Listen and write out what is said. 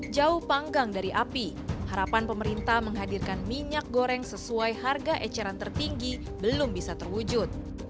jauh panggang dari api harapan pemerintah menghadirkan minyak goreng sesuai harga eceran tertinggi belum bisa terwujud